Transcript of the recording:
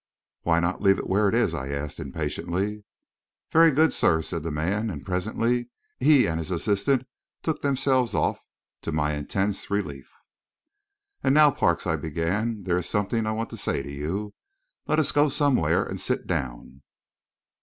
"Why not leave it where it is?" I asked, impatiently. "Very good, sir," said the man, and presently he and his assistant took themselves off, to my intense relief. "And now, Parks," I began, "there is something I want to say to you. Let us go somewhere and sit down."